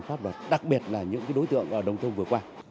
chấp hành pháp luật đặc biệt là những đối tượng ở đồng thông vừa qua